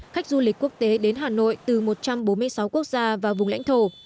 khách du lịch quốc tế đến hà nội từ một trăm bốn mươi sáu quốc gia và vùng lãnh thổ